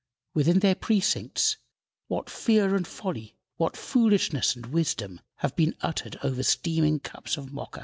Within their precincts, what fear and folly, what foolishness and wisdom, have been uttered over steaming cups of Mocha!